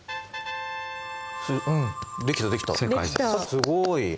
すごい。